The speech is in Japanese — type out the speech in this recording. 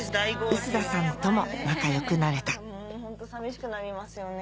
臼田さんとも仲良くなれたホント寂しくなりますよね。